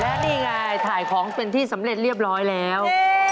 และนี่ไงถ่ายของเป็นที่สำเร็จเรียบร้อยแล้ว